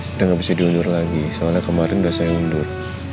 sudah nggak bisa diundur lagi soalnya kemarin udah saya mundur